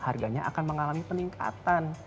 harganya akan mengalami peningkatan